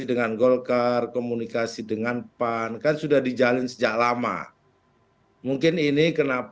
dengan golkar komunikasi dengan pan kan sudah di jalin sejak lama itu dan juga dianggap sebagai perempuan